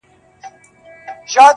د ښکلا پر اړه خبرې کیږي